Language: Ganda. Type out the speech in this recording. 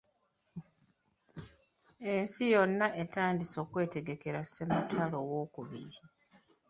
Ensi yonna etandise okwetegekera Ssematalo owookubiri.